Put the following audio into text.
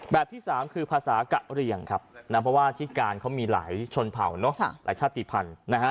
แบบที่๓คือภาษากะเรียงครับเพราะว่าอาทิตย์การเขามีหลายชนเผาหลายชาติภัณฑ์